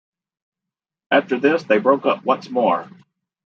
After this they broke up once more.